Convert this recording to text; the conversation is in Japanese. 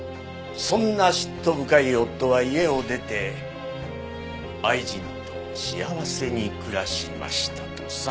そんな嫉妬深い夫は家を出て愛人と幸せに暮らしましたとさ。